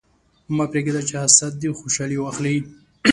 مه پرېږده چې حسد دې خوشحالي واخلي.